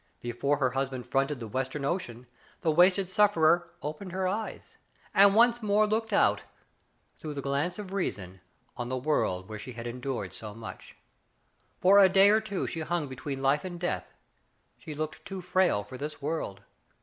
Before her husband fronted the Western Ocean, the wasted sufferer opened her eyes, and once more looked out, through the glance of reason, on the world where she had endured so much. For a day or two she hung between life and death. She looked too frail for this world.